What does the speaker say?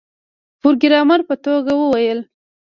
پروګرامر په ټوکه وویل